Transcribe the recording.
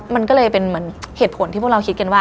มันก็เลยเป็นเหมือนเหตุผลที่พวกเราคิดกันว่า